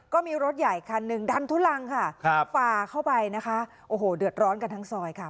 ก็มีรถใหญ่คันหนึ่งดันทุลังค่ะครับฝ่าเข้าไปนะคะโอ้โหเดือดร้อนกันทั้งซอยค่ะ